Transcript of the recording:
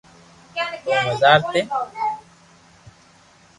او مزار تي